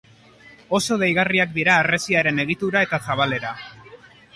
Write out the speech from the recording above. Oso deigarriak dira harresiaren egitura eta zabalera.